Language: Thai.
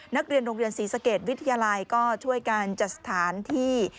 นักเรียนโรงเรียนศรีสเกตวิทยาลัยก็ช่วยกันจัดสถานที่